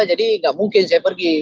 jadi nggak mungkin saya pergi